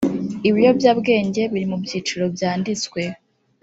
ibiyobyabwenge biri mu byiciro byanditswe